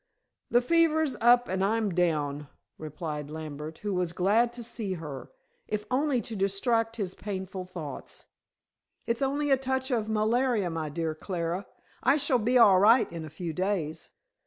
"The fever's up and I'm down," replied Lambert, who was glad to see her, if only to distract his painful thoughts. "It's only a touch of malaria, my dear Clara. I shall be all right in a few days."